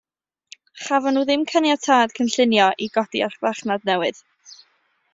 Chafon nhw ddim caniatâd cynllunio i godi archfarchnad newydd.